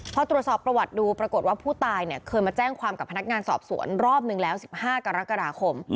พอตรวจสอบประวัติดูปรากฏว่าผู้ตายเนี่ยเคยมาแจ้งความกับพนักงานสอบสวนรอบหนึ่งแล้ว๑๕กรกฎาคม